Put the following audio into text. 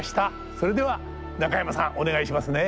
それでは中山さんお願いしますね。